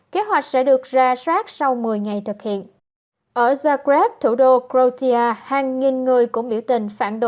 kế hoạch sẽ được ra sát sau một mươi ngày thực hiện